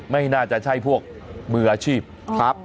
ไม่น่าจะใช่พวกมืออาชีพครับ